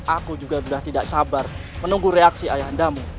aku juga sudah tidak sabar menunggu reaksi ayah andamu